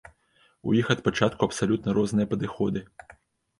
У іх ад пачатку абсалютна розныя падыходы.